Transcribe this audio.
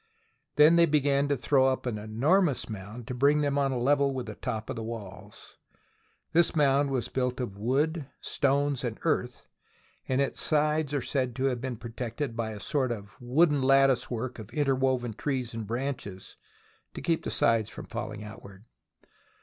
Then they began to throw up an enormous mound to bring them on a level with the top of the walls. This mound was built of wood, stones, and earth, and its sides are said to have been protected by a sort of wooden lattice work of interwoven trees and branches, to keep the sides from falling outward.